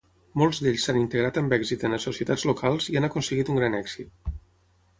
Molts d'ells s'han integrat amb èxit en les societats locals i han aconseguit un gran èxit.